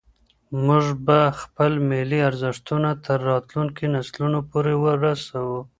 موږ به خپل ملي ارزښتونه تر راتلونکو نسلونو پورې رسوو.